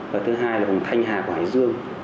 và thứ hai là vùng thanh hà hải dương